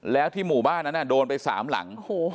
แล้วที่หมู่บ้านนั้นโดนไป๓หลัง